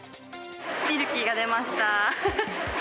ミルキーが出ました。